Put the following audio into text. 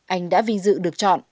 anh đã vinh dự được chọn